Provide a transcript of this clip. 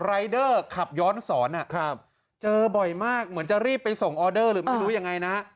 รายเดอร์ขับย้อนสอนเจอบ่อยมากเหมือนจะรีบไปส่งออเดอร์หรือไม่รู้ยังไงนะ